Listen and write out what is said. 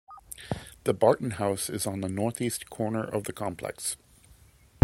The Barton House is on the north east corner of the complex.